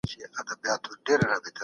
تاسو د خپلې شتمنۍ په اړه مسول یاست.